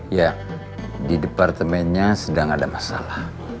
ya di departemennya sedang ada masalah